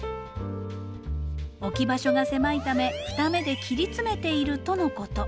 置き場所が狭いため２芽で切り詰めているとのこと。